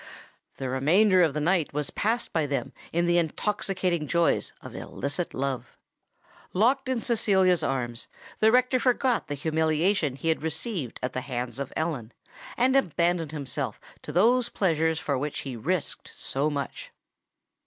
The remainder of the night was passed by them in the intoxicating joys of illicit love. Locked in Cecilia's arms, the rector forgot the humiliation he had received at the hands of Ellen, and abandoned himself to those pleasures for which he risked so much!